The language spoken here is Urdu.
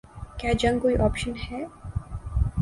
کیا جنگ کوئی آپشن ہے؟